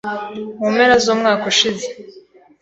Mu mpera z'umwaka ushize,